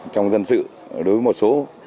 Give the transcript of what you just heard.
trong dân sự đối với một số